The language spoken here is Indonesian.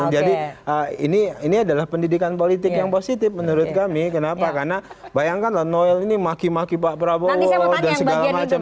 jadi ini adalah pendidikan politik yang positif menurut kami kenapa karena bayangkan lah noel ini maki maki pak prabowo dan segala macam